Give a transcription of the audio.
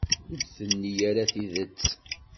Ur d-tenni ara tidet.